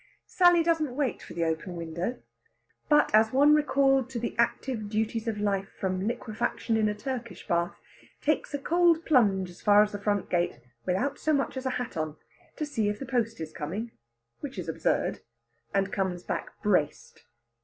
Sally doesn't wait for the open window, but as one recalled to the active duties of life from liquefaction in a Turkish bath, takes a cold plunge as far as the front gate without so much as a hat on to see if the post is coming, which is absurd and comes back braced.